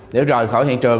để rời khỏi hiện trường